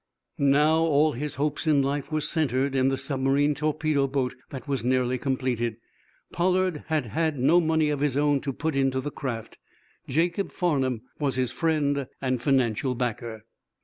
Now, all his hopes in life were centered in the submarine torpedo boat that was nearly completed. Pollard had had no money of his own to put into the craft. Jacob Farnum was his friend and financial backer.